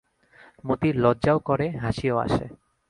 মতির লজ্জাও করে, হাসিও আসে।